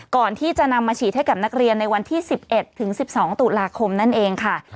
ก่อนที่จะนำมาฉีดให้กับนักเรียนในวันที่๑๑ถึง๑๒ตุลาคมนั่นเองค่ะ